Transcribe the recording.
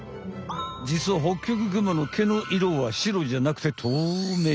じつはホッキョクグマの毛の色は白じゃなくて透明。